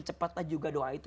cepatlah juga doa itu